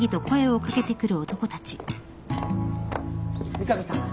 三上さん